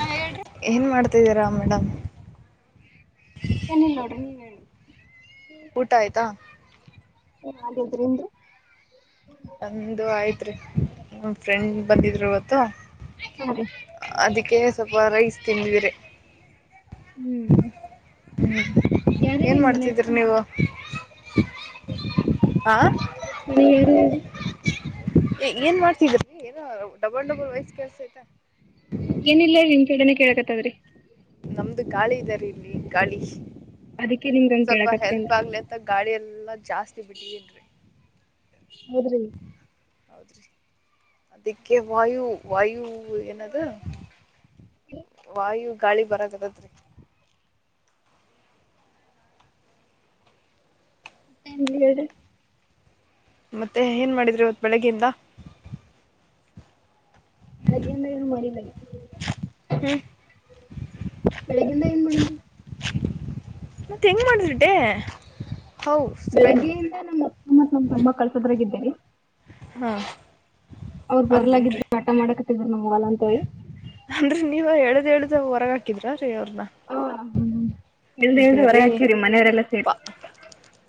ಹಾ ಹೇಳ್ರಿ ಏನ್ ಮಾಡ್ತಿದ್ದೀರಾ ಮೇಡಮ್ ಏನು ಇಲ್ಲ ನೋಡ್ರಿ ನೀವ್ ಹೇಳ ಊಟ ಆಯ್ತಾ ಹಾಗಿದ್ರೆ ನೇಮ್ ರಿ ನಮೂಡು ಆಯ್ತ್ರಿ ಫ್ರೆಂಡ್ ಬಂದಿದ್ರು ಇವತು ಹಾ ರೀ ಹೊರೈಸ್ ತಿಂದಿರೆೆ ಹ್ಮ್ ಹ್ಮ್ ಯಾರಿಗ ಏನ್ ಮನೆ ಮಾಡ್ತಿದ್ರಿ ನೀವು [unintelligible] ಹಾ [unintelligible] ಏನ್ ಮಾಡ್ತಿದ್ರರಿ ಏನೋ ಡಬಲ್ ಡಬಲ್ ವಯಸ್ಸ ಕೆಲ್ಸ ಆಯ್ತಾ ಏನಿಲ್ಲ ನಿಮ್ [unintelligible] ನಮ್ದು ಗಾಳಿ ಇದ್ದಾರೆ ಇಲ್ಲಿ ಗಾಳಿ ಅದಕ್ಕೆ ಎಲ್ರಿಗೂ ನಿಮ್ಗಂಗ ಸ್ವಲ್ಪ ಹೆಲ್ಪ್ ಕೇಳಕತ್ತೇನ್ರಿ ಆಗ್ಲಿ ಅಂತ ಗಾಡಿ ಎಲ್ಲಾ ಜಾಸ್ತಿ ಬಿಡ್ಲ್ರಿ ಹೌದ್ರಿ ಹೌದ್ರಿ ಅದಕ್ಕೆ ವಾಯು ವಾಯು ಏನದ ವಾಯು ಗಾಳಿ ಬರದರದ್ರಿ ಮೂಡ್ ಹೇಳಿದೆ ಮತ್ತೆ ಏನ್ ಮಾಡಿದ್ರಿ ಇವತು ಬೆಳಿಗ್ಗೆಯಿಂದ ರಜೇಂದ ಏನೂ ಮಾಡಲ್ಲಿ ಹ್ಮ್ ಬೆಳಗಿಂದ [unintelligible] ಮತ್ತೆ ಹೆಂಗ್ ಮಾಡಿದ್ರೆ ಡೇ ಬೆಳಗ್ಗೆಯಿಂದ ನಮ್ಮ ಅಕ್ಕ ಮತ್ ನಮ್ ತಮ್ಮ ಕಳ್ಸೋದ್ರಾಗ ಇದ್ದೀರಿ ಹಾ ಅವರು ಹೌದೇನ್ರಿ ಬರ್ಲಾಗಿದ್ರರು ಆಟ ಮಾಡಕ್ ಅಂದ್ರೆ ನೀವ ಹೇಳ್ದ್ ಹೇಳ್ದ ಹೊರಗ ಹಾಕಿದ್ರ ರೀ ಅವ್ರನ್ನ ಇಲ್ದ ಇಲ್ದ ಹೊರ ರಿ ಹಾಕಿವ್ರಿ ಮನೆಯವರೆಲ್ಲಾ ಸೇರಿ ಪಾ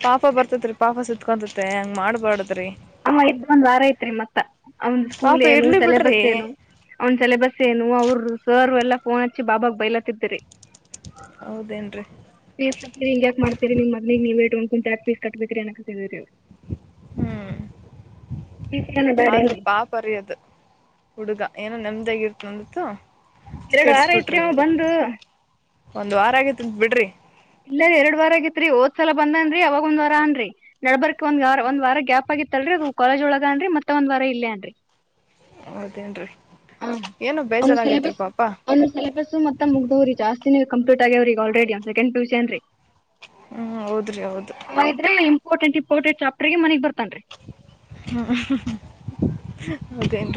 ಪಾಪ ಬರ್ತ ಸಿತ್ತತ್ರಿ ಪಾಪ ಸಿತ್ಕೊತತೆ ಹೆಂಗ ಮಾಡ್ಬಾರಡದ್ರೀ ಅ ಇದ ಒಂದ್ ವಾರ ಐತ್ರಿ ಮತ್ತ ಅವಂದ್ ಪಾಪ ಸ್ಕೂಲ್ ಏನು ಇರ್ಲಿ ಬಿಡ್ರಿ ಸಿಲೆಬಸ್ ಏನು ಅವನ್ ಸೆಲೆಬಸ್ ಏನು ಅವ್ರ ಸೋರ್ ಎಲ್ಲಾ ಫೋನ್ ಹಚ್ಚಿ ಬಾಬಾಗ ಬೈಲಾತ್ತಿದರಿ ಹೌದೇನ್ರಿ ನೀವ ಕತೀರಿ ಹಿಂಗ ಯಾಕ ಮಾಡ್ತೀರಿ ನಿಮ್ ಮದನಗ್ ನೀವ್ಟುಂಟಿ ಪೀಸ್ ಕಟ್ಟಬೇಕಿದ್ರಿಏನಕ್ದೀರಿಿ ಹ್ಮ್ ಫೀಸ್ ಏನು ಬೇಡ ಏನು ಆದ್ರ ರೀ ಪಾಪರಿ್ಯೋದು ಹುಡುಗ ಏನೋ ನೆಮ್ದಾಗಿರ್ತ ನಂದಿತ್ತು ಎರಡು ವಾರ ಐತ್ರಿ ಅವ ಬಂದು ಒಂದ್ ವಾರ ಆಗೇತಿ ಉಂಟ ಬಿಡ್ರಿ ಇಲ್ಲ ಎರಡ್ ವಾರ ಆಗಿತ್ರಿ ಓದ್ಸಲ ಬಂದೇನ್ರಿ ಅವಾಗ ಒಂದ್ ವಾರ ಅನ್ರಿೀ ನಡಬರ್ಕ್ ಒಂದವಾರ ಒಂದ್ ವಾರ ಗ್ಯಾಪ್ ಆಗಿ ಮಗೂತ್ತಲ್ರರಿ ಅದು ಕಾಲೇಜ್ ಒಳಗನ್ರ ಮತ್ತೆ ಒಂದ್ ವಾರ ಇಲ್ಲೇನ್ರಿ ಹವ್ಡುಎನು ರಿ ಹ ಅವನ ಸಿಲೆಬಸ್ ಅವನ ಸಿಲೆಬಸ್ ಮತ್ತೆ ಮುಗ್ದವ್ರಿ ಜಾಸ್ತಿ ಕಂಪ್ಲಟ್ ಆಗ್ಯಾವ್ರ ಈಗ ಆಲ್ರೆಡಿ ಸೆಂಡ್ ಪಿ ಸಿ ಏನ್ರಿ ಹ್ಮ್ ಹೌದ್ರಿ ಹೌದು ಇಪ್ಟೆಂ ಇಂಪಾರ್ಟೆಂಟ್ ಚಾಪ್ಟರ್ [unintelligible] [unintelligible] ಹೌದ್ರಿ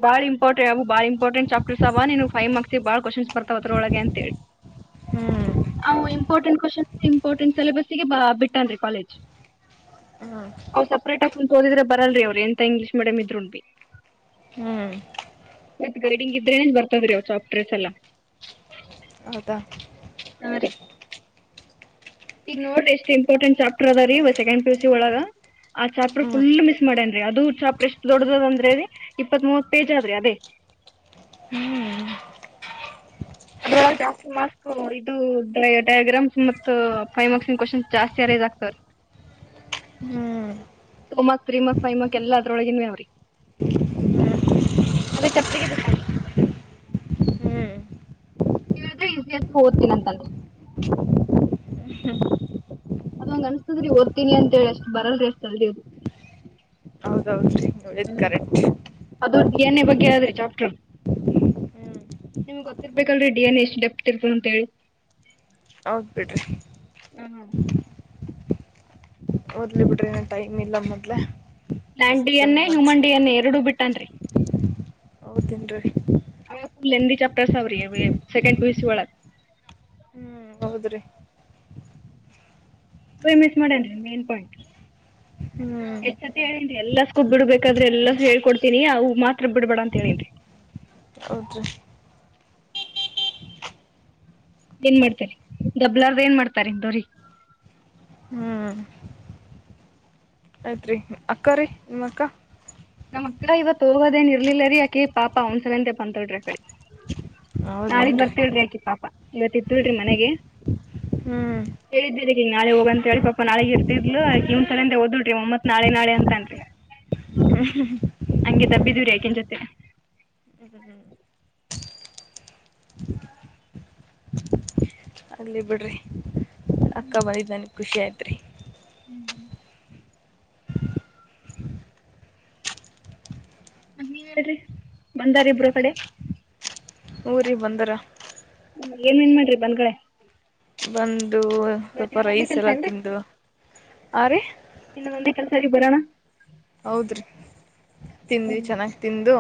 [unintelligible] ಬಾಳ ಇಂಪಾರ್ಟೆಟ್ ಚಾಪ್ಟರ್ ಅವ ನೀವು ಫೈವ್ ಮಾರ್ಕ್ಸ್ ಬಾಳ್ ಕ್ಶ್ನ್ ಬರ್ತಾವವತ್ರ ಒಳಗೆ ಅಂತ ಹೇಳಿ ಹ್ಮ್ ಅವು ಇಂಪಾರ್ಟೆಂಟ್ ಕ್ವನ್ ಇಂಪಾರ್ಟೆಂಟ್ ಸಿಲೆಬಸ್ಗೆ ಬಿಟ್ಟನ್ರಿ ಕಾಲೇಜ್ ಅವ್ ಸಪೇಟ್ ಹಾಗೆ ಕೂತು ಒಡೆರೇ ಬಾಲರಾಲ್ರೆ ಅವರು ಎಂತ ಇಂಗ್ಲೀಷ ಮೀಡಿಯಂ ಇದ್ರು ಬಿ ಹ್ಮ್ ಮತ್ ಗಡಿಂಗ ಇದ್ರೆ ಏನ್ ಬರ್ತಾವ್ರ ಚಾಫ್ಟ್ರೇಸ್ ಎಲ್ಲಾ ಹೌದ ಹಾ ರೀ ಈಗ ನೋಡ್ರ ಎಷ್ಟ ಇಂಪಾರ್ಟೆಂಟ್ ಚಾಪ್ಟರ್ ಅದ ರೀ ಸೆಕಂಡ್ ಪಿಯುಸಿ ಒಳಗ ಆ ಚಾಪ್ಟರ್ ಹ್ಮ್ ಫುಲ್ ಮಿಸ್ ಮಾಡೇನ ಅದು ಚಾಪ್ರರ್ ಎಷ್ಟ್ ದೊಡ್ಡದ ಅಂದ್ರೆ ಇಪ್ಪತ್ ಮೂವತ್ ಪೇಜ್ ಆದ್ರ ಅದೇ [inaudible] ಹ್ಮ್ ಅದ ಜಾಸ್ತಿ ಮಾರ್ಕ್ಸ್ ಇದು ಡಯಾಗ್ರಾಮ್ಸ್ ಮ ಮತ್ತು ಫೈವ್ ಮಾರ್ಕ್ಸ್ ಕ್ವೋನ್ಸ್ ಜಾಸ್ತಿ ಆ [unintelligible] ಹ್ಮ್ two month three month four month five month ಎಲ್ಲಾ ಅದರ ಒಳಗಿನವ ಅದಾವ್ರಿ ಅದ ಕ ಪ್ರೀ ಬಿಟ್ಟಾನ್ ಹ್ಮ್ ಯು ಪಿ ಎಸ್ ಓದ್ತೀನಂತಂನ ಅದಂಗ ಅನ್ಸ್ತದ್ರಿ ಓದ್ತೀನಿ ಅಂತ ಹೇಳಿ ಅಷ್ಟ್ ಬರಲ್ರಿ ಅಷ್ಟ ಅಳ್ಳದು ಹೌದೌದುರಿ ಕರೆಕ್ಟ್ ಅದು ಡಿ ಎನ್ ಎ ಬಗ್ಗೆ ಅದ್ರ ಚಾಪ್ಟ್ರರ್ ಹ್ಮ್ ನಿಮ್ಗ್ ಗೊತ್ತಿರ್ಬೇಕಲ್ರರಿ ಡಿ ಯನ್ ಎ ಎಷ್ಟ್ ಡೆಫತ್ ಇರ್ತದ ಅಂತ ಹೇಳಿ ಹೌದಬಿಡ್ರಿ ಹ್ಮ್ ಓದು ಲಿ ಬಿಡ್ರಿ ಏ ಟೈಮ್ ಇಲ್ಲ ಮೊದ್ಲೆ ಡ D six N seven A months human D N A ಎರಡು ಬಿಟ್ಟನ್ರಿ ಹೌದ ಏನ್ರೀ ಲೆ ಚೆಪ್ಟರ್ಸ್ ಅವ ಸೆಕೆಂಡ ಪಿಯುಸಿ ವಳಗ ಹ್ಮ್ ಹೌದ್ರಿ ಮಿಸ್ ಮಾಡನ್ರಿ ಮೇನ್ ಪಾಯಿಂಟ್ ಹ್ಮ್ ಎಚ್ಚಸತೀ ಹೇಳೇನ್ ಎಲ್ಲಾಗೂಬ್ ಬಿಡ್ಬೇಕಾದ್ರೆ ಎಲ್ಲು ಹೇಳ್ಕೊಡ್ತೀನಿ ಅವು ಮಾತ್ರ ಬಿಡ್ಬೇಡ ಅಂತ ಹೇಳೇನರೀ [inaudible] ಹೌದ ರೀ ಏನ್ ಮಾಡ್ತಾರ ದಬ್ಲಾರ್ದ ಏನ್ ಮಾಡ್ತಾರ್ದವ್ರಗಿ ಆಯ್ತು ರೀ ಅಕ್ಕ ರೀ ನಿಮ್ಮಕ್ಕಾ ನಮ್ಮ್ ಅಕ್ಕಾ ಇವತ್ ಹೋಗೋದೇನ್ ಇರ್ಲಿಲ್ಲ ರೀ ಯಾಕೆ ಪಾಪಾ ಅವಸರಂತೆ ಬಂದಳ್ರಿ ಅಕಡೆ ನಾಳಗ್ ಹೌದೇನ್ರಿ ಬರ್ತಿಳ್ರಿ ಆಕಿ ಪಾಪ ಇವತ್ತ ಇತ್ಳ್ರಿ ಮನೆಗೆ ಹ್ಮ್ ಈ ನಾಳೆ ಹೋಗ ಅಂತ ಹೇಳಿ ಪಾಪ ನಾಳಿಗ ಇರ್ತಿದ್ಲು ಇವನಸಬಂದ ಹೋದಳರಿ ಒಮ್ಮತ್ ನಾಳೆ ನಾಳಿ ಅಂತನ್ರಿ ಹ ಹ್ಮ್ ಹಂಗೆ ದಬ್ಬಿದೂರಿ ಯಾಕೆನ್ ಜೊತೆನ ಅಲ್ಲ ಬಿಡ್ರಿ ಅಕ್ಕಾ ಬಂದಿದ್ದೆ ನನಗ್ ಖುಷಿ ಆಯ್ತ್ರಿ ಬಂದಾರ ಇಬ್ರು ಕಡೆ ಹುರಿಗೆ ಬಂದಾರ ಏನ್ ಏನ್ ಮಾಡ್ರಿ ಬಂದ್ ಗಳೇ ಬಂದು ಸ್ವಲ್ಪ ರೈಸ್ ಎಲ್ಲ ತಿಂದು ಆ ರೀ ಇನ್ನ ಬಂದ ಕೆಲಸಾರಿ ಬರಾನ ಹೌದ್ರಿ ತಿಂದ್ವಿ ಹ್ಞೂ ಚೆನ್ನಾಗಿ ತಿಂದು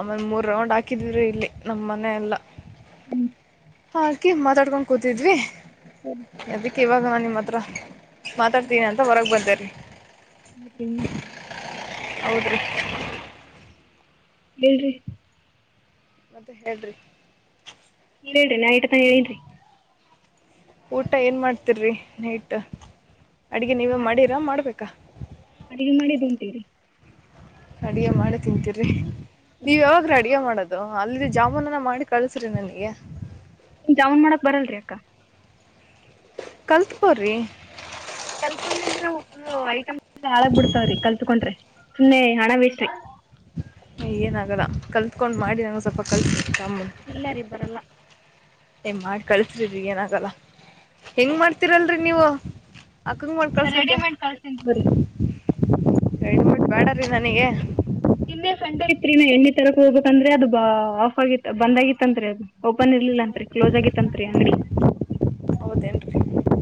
ಆಮೇಲೆ ಮೂರ್ ರೌಂಡ್ ಹಾಕ ಹಾಕಿದ್ರು ಇಲ್ಲಿ ನಮ್ಮನೆ ಎಲ್ಲಾ ಹ್ಮ್ ಹಾಕಿ ಮಾತಾಡ್ಕೊಂಡ್ ಕೂತಿದ್ವಿ ಹ್ಮ ಅದಕ್ಕೆ ಇವಾಗ ನಾನು ನಿಮ್ಮ ಹತ್ರ ಮಾತಾಡ್ತೀನಿ ಅಂತ ಹೊರಗೆ ಬಂದೆ ರೀ ಮತ್ತ ಹೌದ್ರೀ ಹೇಳ್ರಿ ಅಂತ ಹೇಳ್ರಿ ನೀ ಹೇಳ್ರಿ ನಾಯ್ಟ ತ ಹೇಳಿದ್ರಿ ಊಟ ಏನ್ ಮಾಡ್ತಿರಿ ನೈಟ್ ಅಡಗೆ ನೀವೇ ಮಾಡಿರಾ ಮಾಡ್ಬೇಕಾ ಅಡಿಗೆ ಮಾಡಿ ಉಟೀರಿ ಅಡಗೆ ಮಾಡಿ ತಿಂತೀರಿ ನೀವ ಯಾವಾಗ ಅಡಗೆ ಮಾಡದು ಅೌದು ಅಲ್ಲಿ ಜಾಮೂನನ ಮಾಡಿ ಕಳಸ್ರಿ ನನಗೆ ಜಾವನ್ ಮಾಡಕ್ ಬರಲ್ರಿ ಅಕ್ಕ ಕಲ್ತ್ಕೊರ್ರಿ ಕಲ್ಕೊಂಡ ಅಂದ್ರ ಐಟ್ ಹಾಳ್ ಬಿಡ್ತಾವ್ರಿ ಕಲ್ತ್ಕೊಂಡ್ರಿ ಸುನ್ನೆ ಹಣ ಬೇಷ್ಟ ಏನ ಆಾಗಲ್ಲ ಕಲ್ತ್ಕೊಂಡ್ ಮಾಡಿ ನಂಗಗೆ ಸ್ವಲ್ಪ ಕಲ್ ಕಮ್ಮ ಇಲ್ಲ ರೀ ಬರಲ್ಲ ಮಾಡ ಕಳ್ಸ್ರಿಿ ಏನಾಗಲ್ಲ ಹೆಂಗ್ ಮಾಡ್ತೀರಲ್ರರಿ ನೀವು ಅಕ್ಕಂಗ ಮಾಡ ಕಳ್ಸಕ ರೆಡಿಮೇಡ್ ಕಳ್ಸ್ತೀನಿ ತಗೋರಿ ಗ ಮಾಡ ಬ್ಯಾಡಿ ನನಗೆ ರಿ ನಾ ಎಣ್ಣನ ತರಕ್ ಹೋಗಬೇಕಂದ್ರೆ ಅ ಬ ಆಫ್ ಆಗಿ ಬಂದಾಗಿಿತ್ತ ಅತ್ರಿ ಅದು ಓಪನ್ ಇರ್ಿಲ್ಲ ಅತ್ರಿ ಕ್ಲೋಸ್ ಆಗಿತ್ತ ತ್ರಿ ಅಂಗಡಿ ಹದಂಟ್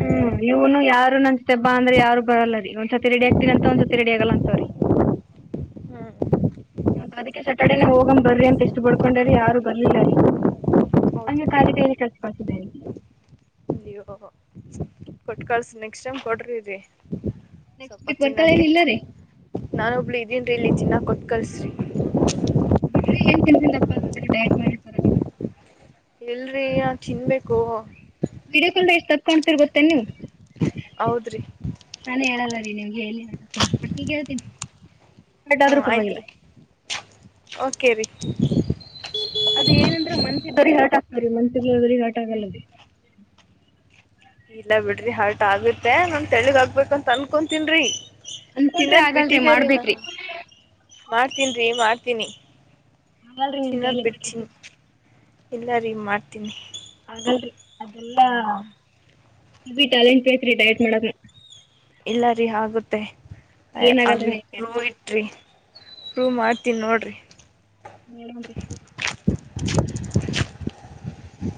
ಹ್ಮ ಇವನು ಯಾರು ನಂದ್ ಸತೆ ಬಾ ಅಂದ್ರೆ ಯಾರು ಬರಲ್ಲ ರೀ ಒಂದ್ಸತಿ ರೆಡಿ ಆಗ್ತೀನ ಅಂತ ಒಂದ್ಸ ಸತಿ ರೆಡಿ ಆಗಲ್ಲ ಅಂತವ್ರರಿ ಹ್ಞೂ [inaudible] ಅದಕ್ಕೆ ಸ್ಯಾಟರ್ಡೇನ ಹೋಗಂಗ್ ಬರ್ರಿ ಅಂತ ಎಷ್ಟು ಪಡ್ಕೊಂಡರಿ ಯಾರು ಬರ್ಲಿಲ್ಲರಿೀ ಹೌದು ಹಂಗ ಕಾಲಿ ಕೈಲ್ಲಿ ಕರ್ಸಕಳ್ಸ ಲ್ಲಿ ಹೋ ಕೊಟ್ಟಟ್ ಕಳ್ಸಿ ನೆಕ್ಸ್ಟ್ ಟೈಮ್ ಕೊಡ್ರಿರಿ ನೆಕ್ಸ್ಟ್ ಸ್ವಲ್ಪ ವೀಕ್ ಚಿನ್ನಕ್ಕೆ ಬರ್ತಾಳೇನಿಲ್ಲ ರೀ ನಾನ ಒಬ್ಳು ಇದೀನ್ೀ ಇಲ್ಲಿ ಚಿನ್ನ ಕೊತ್ಕಲ್ಿಸ್ರಿ ಬಿಡ್ರಿ ಏನ್ ತಿನ್ಕೊಂಡಪ್ಪತರಿ ಡಯಟ್ ಮಾಡಿತರ ಎಲ್ರರಿ ನಾ ತಿನ್ಬೇಕು ವಿಡಿಯೋ ಕಾಲ್ ಎಷ್ಟ್ ತಕೊ್ತಿರ್ ಬೊತ್ತೇ ನೀವು ಹೌದ್ರಿ ನಾನನ್ ಹೇಳಲ್ಲರಿೀ ನಿಮ್ಗೆ ಎಲ್ಲಿ ಆ ಬಟ್ಟ ನೀಗ್ ಹೇಳ್ತೀಿ ಹ್ಮ ಆಯ್ತ್ರಿ ಓಕೆ ರರಿ ಅದ ಏನಂದ್ರೆ ಮನ್ಸ ಆತ ಮನ್ಸಿ ಆಾಟ ಆಗಲ್ಲದ ಇಲ್ಲ ಬಿಡ್ರಿ ಹಾಟ್ ಆಗುತ್ತೆ ನಮ ತಳಿಗ್ಗ್ಬೇಕಂತ ಅನ್ಕೊತನ್ಿ ಅನ್ಕೊಂಡ್ರಿ ತಿನ್ನೋದ್ ಆಗಲ್ರಿ ಬಿಟ್ಟಿದ್ದೇರಿೀ ನಾ ಮಾಡ್ಬೇಕ್ರಿ ಮಾಡ್ತೀನ್ ರೀ ಮಾಡ್ತೀನಿ ಆಗಲ್ರಿ ನಿಮ್ ಚಿನ್ನದ್ ಕೈಲಿ ಬಿಡ್ರಿ ಬಿಡ್ತೀನಿ ಎಲ್ಲ ರೀ ಮಾಡ್ತೀನಿ ಹಾಗಲ್ ಅದೆಲ್ಲಾ ಬಿ ಟ್ಯಾಲೆಂಟ್ ಬೇ ರೀ ಡಯಟ್ ಮಾಡಕ್ನ ಇಲ್ಲ ರೀ ಆಗುತ್ತೆ ಏನ್ ಆಗಲ್ರಿ ಅವಲ್ ನನ್ ಕೈಲ ಪ್ಲೂ ಇಟ್ರಿ ರೂ ಮಾಡ್ತೀನಿ ನೋಡ್ರಿ ನೀನ್ರಿ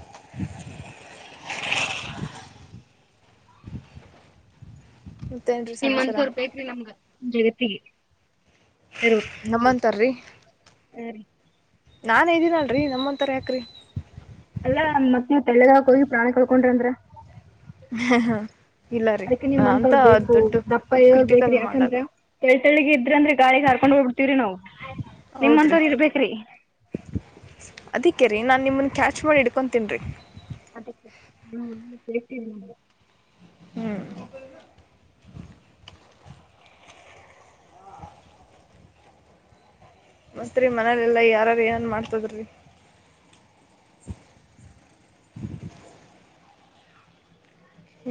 [inaudible] ಮತ್ತೇನು ರೀ ಸಮಾಚಾರ ನಿಮ್ಂದಸವರ್ ಬೇಕ ರೀ ನಮ್ಗ ಜಗತ್ತಿಗೆ ಬೇರೆವ್ರು ನಮ್ಮಂತಾರಿ ಹಾ ರೀ ನಾ ಇದ್ದೀನಲ್ರರಿ ನಮ್ಮಂತರ ಯಾಕ್ರಿ ಎಲ್ಲಾ ಮಕ್ಕ ತೆಳ್ಳದಾಕ ಹೋಗಿ ಪ್ರಾಣಿ ಕಳ್ಕೊಂಡ್ರ ಅಂದ್ರ ಹಾ ಹಾ ಅದಕ್ಕೆ ನಿಮ್ಂತವ್ರ ಬೇಕು ದಪ್ಪ ಇವ್ರ ಬೇಕ್ರಿ ಕ್ರಿಟಿಕಲ್ ಯಾಕಂದ್ರ ಮಾಡೋದು ತಳ್ ತಳಗ ಇದ ಂದ್ರಿ ಗಾಳಿಿಗೆ ಹಾರ್ಕೊಂಡ್ ಹೋಗ್ಬ ಬಿಡ್ತವ್ರಿ ನಾವವು ಹೌದು ನಿಮ್ಮಂತವ್ರ ಇರ್ಬೇಕೇ್ರಿ ಅದಕ್ಕೆೇ ರೀ ನಾನು ನಿಮ್ಮನ್ನ ಕ್ಯಾಚ್ ಮಾಡಿ ಹಿಡ್ಕೊತೀನ್ಿ ರರಿ ಅದಕ್ಕೆೇಳ್ತಿದಿ ನಗೆ ಹ್ಮ್ ಮಸ್ತ್ರಿ ಮನೇಲೆಲ್ಲಾ ಯಾರಾರ ಏನ್ ಮಾಡ್ತದ್ರಿ ಅ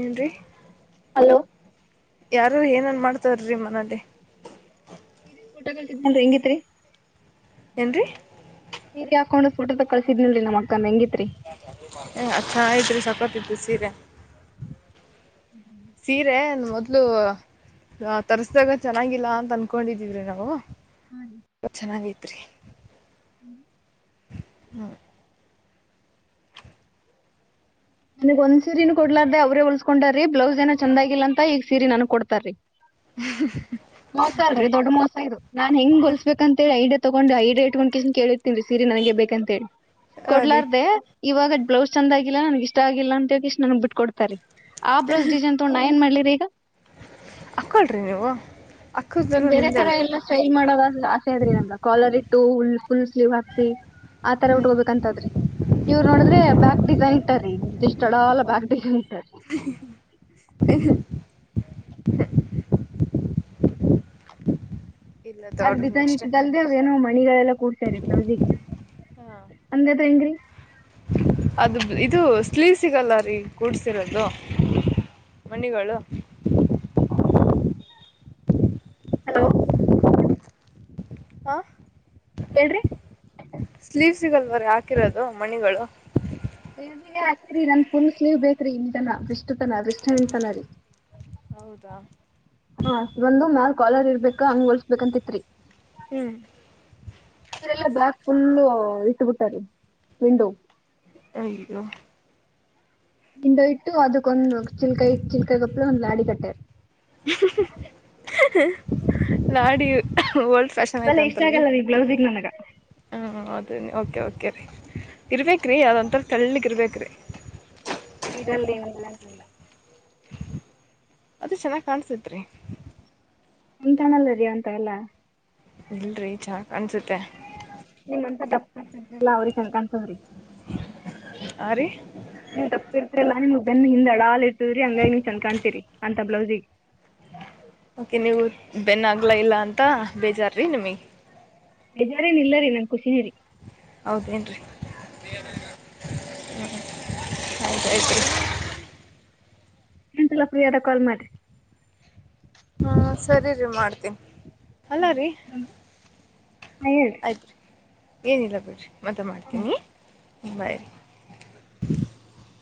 ಏನ್ ರರಿ ಹಲೋ ಯಾರು ಏನನ್ ಮಾಡ್ತಾರ್ರಿ ಮನಲಿ ಫಊಟಲ್ಿದನ್ಿ ಹೆಂಗಿತ್ರಿ ಏನ್ರಿ ನೀ ಹಾಕೊಂಡು ಫೋ ತ ಕಳಸಿದಿಲ್ರಿ ನಮ್ಮಕ್ಕ ಹೆಂಗಿ ಅ ಚಾ ಐತ್ರಿ ಸಪತ್ತತ್ತುು ಸೀರೆ ಸೀರೆ ಮೊದ್ಲು ತರ್ಸ್ದಾಗ ಚೆನ್ನಾಗಿಲ್ಲ ಅಂತ ಅನ್ಕೊಂಡಿದಿದ್ರಿ ನಾವು ಚೆನ್ನಾಗತ್ರಿ ಹ್ಮ್ ಹ್ಮ ನನಗ್ ಒಂದ್ ಸೀನ ಕೊಡ್ಲಾರ್ದ ಅವ್ರೇ ಉಳಲ್ಸ್ಕೊಂಡ್ರೀ ಬ್ಲೌಸ್ ಏನೋ ಚಂದಾಗಿಲ್ಲ ಅಂತ ಈಗ ಸೀರಿ ನನ್ಗ್ ಕೊಡ್ತಾರೀ ಮೋಸ ಆರಿ ದೊಡ್ಡ ಮೋಸ ಆ ನಾನ್ ಹೆಂಗ್ ಹೊಲ್ಸ್ಬೇಕಂತ ಹೇಳಿ ಐ ತಗೊಂಡ್ ಐ ರೇಟ್ಕೊಂಡ್ ಕಿಸನ್ ಕೇಳಿರ್ತನ್ರಿ ಸೀರಿ ನನ್ಗೆ ಬೇಕಂತ ಹೇಳಿ ಹಾ ರೀ ಕೊಡ್ಲಾರ್ದೆ ಇವಾಗ ಬ್ಲೌಸ್ ಚಂದ ಆಗಲ್ಲ ನನ್ಗೆ ಇಷ್ಟ ಆಗಿಲ್ಲ ಅಂತ ಹೇಳಿ ಇಷ್ಟ ನನ್ಗ್ ಬಿಟ್ ಕೊಡ್ತಾರೆ ಆ ಬ್ಲೌಸ್ ಡಿಸೈನ್ ತೋಣ ಏನ್ ಮಾಡ್ಲಿದಿದೆ ಈಗ ಆಳರಿ ನೀ ್ ಬೇರೆ ತರ ಎಲ್ಲಾ ಸ್ಟೈಲ್ ಮಾಡೋದ ಆಸೆ ಅ್ರಿ ನಮ್ಗ ಕಾಲರ್ ಇಟ್ಟುಲ್ ಫುಲ್ ಸ್ಲೀವ್ ಹಾಕ್ಸಿ ಆತರ ಉಟ್ಕೋಬೇಕಂತದ್ರಿ ಇವ್ರು ನೋಡಿದ್ರೆ ಬ್ಯಾಕ್ ಡಿಸೈನ್ ಇಟ್ಟಾರೆೀ ಇಷ್ಟ ಅಡಲ್ಲ ಬ್ಯಾಕ್ ಡಿಸೈನ್ ಇಟ್ಟಾರ್ರಿ. ಹ ಇಲ್ಲ ಆಾ ತಗೊಳ್ರಿ ಡಿಸೈನ್ ನೆಕ್ಸ್ಟ್ ಇಟ್ಟು ಅಲ್ದೇವ ಏನೋ ಮಣಿಗಳೆಲ್ಲಾ ಕೂಡ್ತಾರ ನಜಿಗ ಹಾ ಅಂದದ ಹೆಂಗ್ರಿ ಅದು ಇದು ಸ್್ಲೀ ಸಿಗಲ್ಲ ರೀ ಗೂಡ್ಸಿರೋದು ಮನಿಗಳು ಹ ಹಲೋ ಆ ಹೇಳ್ರಿ ಸ್ಲೀವ್ ಸಿಗಲ್ವರ ಹಾಕಿರೋದು ಮಣಿಗಳು ವ ಹಾಕಿರಿ ನನ್ ಫುಲ್ ಸ್ಲೀವ್ ಬೇಕ್ರಿ ಇ ತನ ಬಷ್ಟ್ತನ ಬಷ್ಟ ತನ ರೀ ಹೌದಾ ಹಾ ಅಷ್ಟ ಬಂದು ಮ್ಯಲ್ ಕಾಲರ್ ಇರ್ಬೇಕ ಹಂಗ ಹೊಲ್ಸ್ಬೇಕಂತಿತ್ರಿ ಹ್ಮ್ ಇರೆಲ್ಲ ಬ್ಯಾಕ್ ಫುಲ್ ಇಟ್ಟಬಿಟ್ಟಾರೆ ವಿಂಡೋ ಹ ಹಂಡ ಇಟ್ಟು ಅದಕ್ಕೊಂದು್ ಚಿಲ್ಕಾಯ ಇ ಚಿಲ್ಕಾಯ ಗಪ್್ರ ಒಂದ್ ಲಾಡಿ ಕಟ್ಟ್ಯರ್ ಲಾಡಿ ಹಲ್ಸ ಫ್ಯಾಷನ್ ಅವೆಲ್ಲ ಇಷ್ಟ ಐತಂತರಿೀ ಆಗಲ್ಲ ರೀ ಬ್ಲೌಸಿಗೆ ನನಗೆ ಹಾಂ ಅದ ಓಕೆ ಓಕೆ ಇರ್ಬೇಕ್ರೀ ಯಾವ್ದೊಥರ ತಳ್ಳಗ ಇರ್ಬೇಕ್ರೀ ಇರಲ್ದಲ್ಲ ಅಂತ ಇಲ್ಲ ಅದ ಚೆನ್ನಾಗಿ್ ಕಾಣ್ಸತ್ರಿ ನಿಂತಾಣಲ್ಲರಿೀ ಅಂತ ಎಲ್ಲ ಇಲ್ರರಿ ಚಾ ಅನ್ಸುತ್ತೆ ನಿಮ್ಂತ ದಪ್ಪತ ಅವ್ರಿ ಸಂಕಾಂತತ್ ಅವ್ರಿ ಹಾಂ ರೀ ನೀವು್ ತಪ್ಪಿರ್ತೀರಲ್ಲ ನೀ ಬೆನ್ನ ಹಿಂದ ಅಡ ಹಾಲ್ ಇತದ್ರಿ ಹಂಗಾಗಿ ನೀ ಚಂದ್ ಕಾಣ್ತೀರಿ ಅಂತ ಬ್ಲೌಸಿಿಗೆ ಓಕೆ [unintelligible] ಇಲ್ಲ ಅಂತ ಬೇಜಾರೀ ನಿಮಗ. ಬೇಜಾರೇನ್ ಇಲ್ಲರಿ ನನ್ ಖುಷಿನೆರಿ. ಹೌದೇನ್ರಿ. [unintelligible] ಎಂತಲ್ಲ ಪ್ರಿ ಆದಾಗ ಕಾಲ್ ಮಾಡ್ರಿ. ಹ್ಮ ಸರಿ ರಿ ಮಾಡ್ತೀನ್ ಅಲ್ಲ ರೀ. ಆಯ್ತು ರೀ ಏನಿಲ್ಲ ಬಿಡ್ರಿ ಮತ್ತ ಮಾಡ್ತೀನಿ ಬಾಯ್ ರಿ. [inaudible]